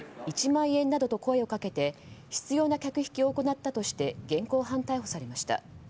１万円」などと声をかけて執拗な客引きを行ったとして現行犯逮捕されました。